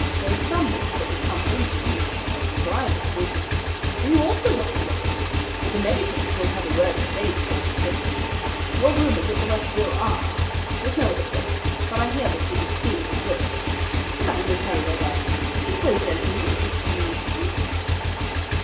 There are some bits that will come home to you, Mr. Holmes, or I am mistaken. And you also, Dr. Watson; for the medicos will have a word to say before we finish. Your room is at the Westville Arms. There's no other place; but I hear that it is clean and good. The man will carry your bags. This way, gentlemen, if you please."